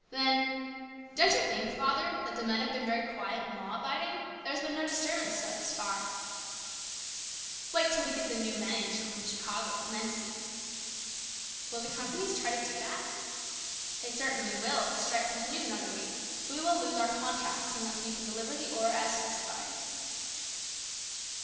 Then :" Don't you think, father, that the men have been very quiet and law abiding? There has been no disturbance thus far." "Wait till we get the new men in from Chicago and then see." " Will the companies try to do that ?" "They certainly will if the strike continues another week. We lose our contracts unless we can deliver the ore as specified."